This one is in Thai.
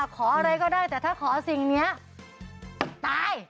ขออะไรก็ได้แต่ถ้าขอสิ่งนี้ตาย